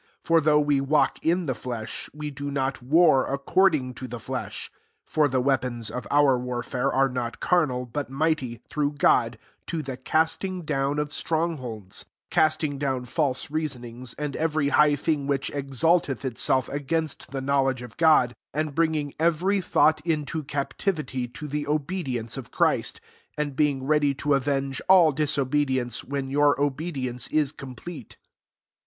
3 For though we walk Q the Besht we do not war ^cordipg to the flesh; 4 (for he weapons of our warfare are M>tcfLrqa], but mighty, through Sod, to the ^^asting down of trcmg holds ;) 5 casting down false reasonings, and every high thing which exalteth itself against the knowledge of God, and bringing every thought into captivity, to the obedience of Christ ; 6 and being ready to avenge all disobedience when your obedience is complete.